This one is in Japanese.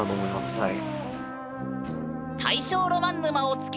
はい。